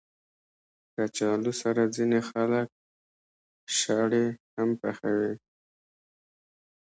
کچالو سره ځینې خلک شړې هم پخوي